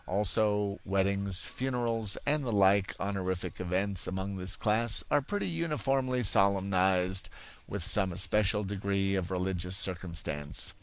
Also, weddings, funerals, and the like honorific events among this class are pretty uniformly solemnized with some especial degree of religious circumstance.